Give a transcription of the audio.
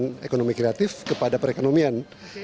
dari sumbangan ekonomi kreatif kepada perekonomian